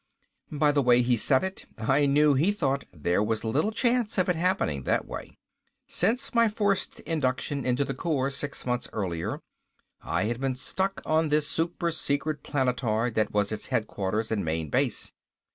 By the way he said it, I knew he thought there was little chance of its happening that way. Since my forced induction into the Corps six months earlier I had been stuck on this super secret planetoid that was its headquarters and main base.